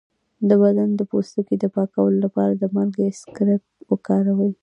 د بدن د پوستکي د پاکولو لپاره د مالګې اسکراب وکاروئ